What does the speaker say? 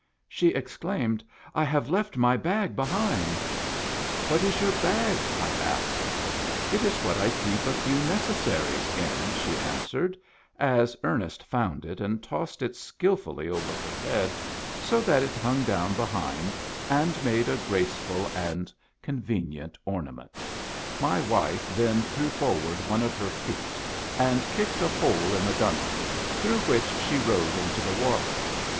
She exclaimed, " I have left my bag behind !"" What is your bag? " I asked. " It is what I keep a few necessaries in," she an swered, as Ernest found it and tossed it skilfully over her head, so that it hung down behind and made a graceful and convenient ornament. OUR HAVEN. — A CURIOUS ANIMAL. My wife then threw forward one of her feet, and kicked a hole in the gunwale, through which she rode into the water.